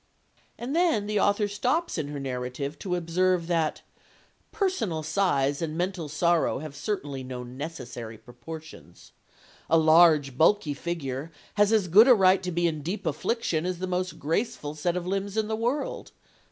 And then the author stops in her narrative to observe that "Personal size and mental sorrow have certainly no necessary proportions. A large, bulky figure has as good a right to be in deep affliction as the most graceful set of limbs in the world.